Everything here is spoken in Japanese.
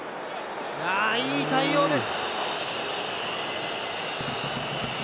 いい対応です。